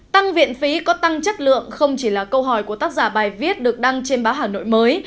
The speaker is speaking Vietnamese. tăng viện phí có tăng chất lượng không chỉ là câu hỏi của tác giả bài viết được đăng trên báo hà nội mới